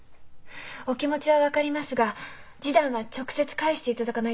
お気持ちは分かりますが示談は直接返していただかないといけないんですよ。